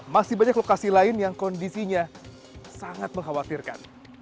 masih banyak lokasi lain yang kondisinya sangat mengkhawatirkan